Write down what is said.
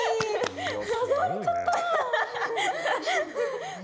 誘われちゃった！